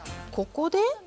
ここで。